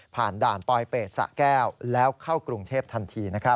ด่านปลอยเป็ดสะแก้วแล้วเข้ากรุงเทพทันที